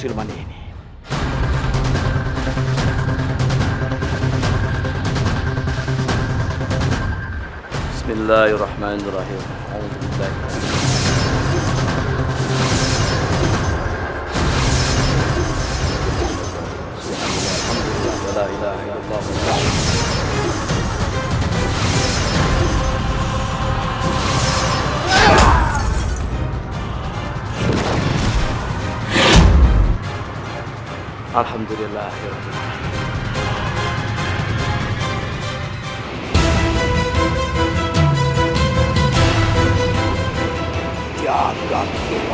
itu yang kita hajar terima kasih sudah menonton jadi sampai jumpa untuk video selanjutnya harmony